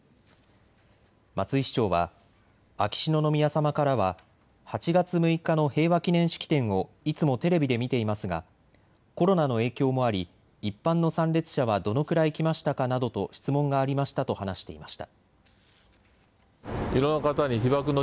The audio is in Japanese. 松井市長は秋篠宮さまからは８月６日の平和記念式典をいつもテレビで見ていますがコロナの影響もあり、一般の参列者はどのくらい来ましたかなどと質問がありましたと話していました。